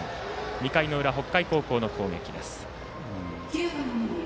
２回の裏、北海高校の攻撃です。